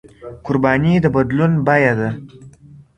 قرباني د بدلون بيه ده.